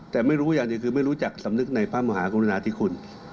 แต่ไม่รู้อย่างหนึ่งคือไม่รู้จักสำนึกในพระมหากรุณาธิคุณ